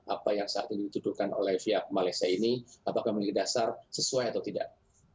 apa yang saat ini dituduhkan oleh pihak malaysia ini apakah memiliki dasar sesuai atau tidak